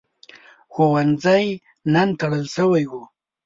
ښوونځی نن تړل شوی و.